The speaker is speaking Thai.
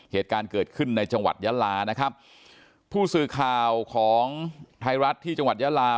เหตุการณ์เกิดขึ้นในจังหวัดยาลานะครับผู้สื่อข่าวของไทยรัฐที่จังหวัดยาลา